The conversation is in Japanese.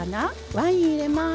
ワイン入れます。